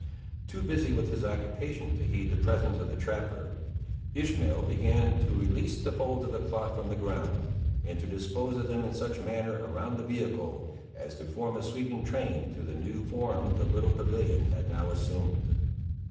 Too busy with his occupation to heed the presence of the trapper, Ishmael began to release the folds of the cloth from the ground, and to dispose of them in such a manner around the vehicle, as to form a sweeping train to the new form the little pavilion had now assumed.